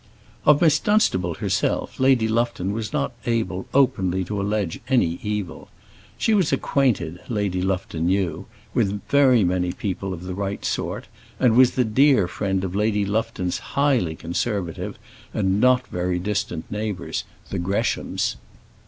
Of Miss Dunstable herself Lady Lufton was not able openly to allege any evil. She was acquainted, Lady Lufton knew, with very many people of the right sort, and was the dear friend of Lady Lufton's highly conservative and not very distant neighbours, the Greshams.